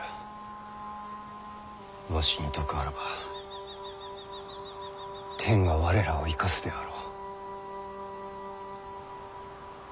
わしに徳あらば天が我らを生かすであろう。